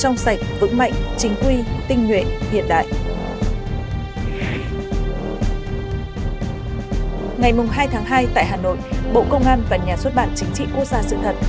ngày hai tháng hai tại hà nội bộ công an và nhà xuất bản chính trị quốc gia sự thật